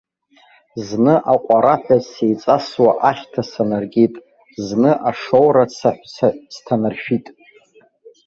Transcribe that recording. Зны аҟәараҳәа сеиҵасуа ахьҭа санаркит, зны ашоура цаҳәцаҳә сҭанаршәит.